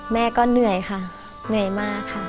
แม่ก็เหนื่อยค่ะเหนื่อยมากค่ะ